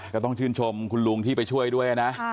ก็ต้องชื่นชมคุณลุงที่ไปช่วยด้วยนะ